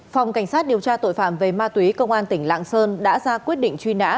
phòng cảnh sát điều tra tội phạm về ma túy công an tỉnh lạng sơn đã ra quyết định truy nã